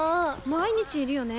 毎日いるよね